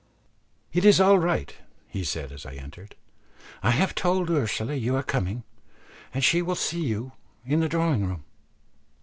"It is all right," he said, as I entered; "I have told Ursula you are coming, and she will see you in the drawing room."